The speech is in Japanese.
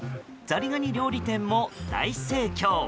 ザリガニ料理店も大盛況。